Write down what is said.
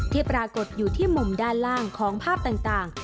ปรากฏอยู่ที่มุมด้านล่างของภาพต่าง